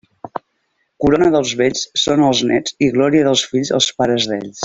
Corona dels vells són els néts i glòria dels fills els pares d'ells.